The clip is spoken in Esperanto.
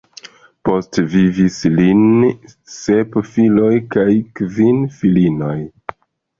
Postvivis lin sep filoj kaj kvin filinoj.